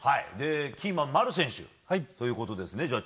キーマンは丸選手ということですね。